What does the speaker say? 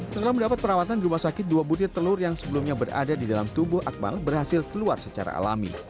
setelah mendapat perawatan di rumah sakit dua butir telur yang sebelumnya berada di dalam tubuh akmal berhasil keluar secara alami